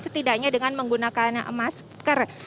setidaknya dengan menggunakan masker